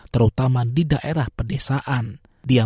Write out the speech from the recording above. terutama di kota kota di australia